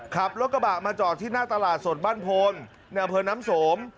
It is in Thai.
ขับรถกระบะมาจอดที่หน้าตลาดสดบ้านโพนในอำเภอน้ำสม